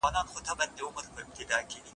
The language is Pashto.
هغه خلګ چي بدلون مني تر نورو ژر پرمختګ کوي.